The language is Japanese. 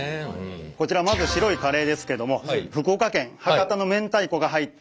こちらまず白いカレーですけども福岡県博多のめんたいこが入ったカレーになっております。